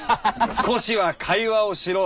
少しは会話をしろッ！